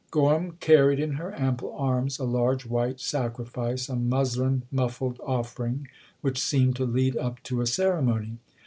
Gorham carried in her ample arms a large white sacrifice, a muslin muffled offering which seemed to lead up to a ceremony.